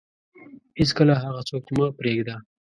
هیڅکله هغه څوک مه پرېږده